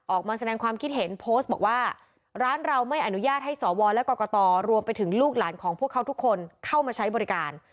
ออกมาแสดงความคิดเห็นโพสต์บอกว่าร้านเราไม่อนุญาตให้สวและกรกตรวมไปถึงลูกหลานของพวกเขาทุกคนเข้ามาใช้บริการ